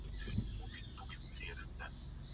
sakiti za uridhifu hupunguzwa na hivyo kupunguza uwezo wa